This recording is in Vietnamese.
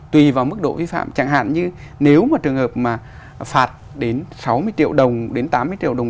tùy vào mức độ vi phạm chẳng hạn như nếu mà trường hợp mà phạt đến sáu mươi triệu đồng đến tám mươi triệu đồng